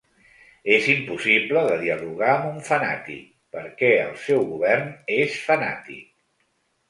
És impossible de dialogar amb un fanàtic, perquè el seu govern és fanàtic.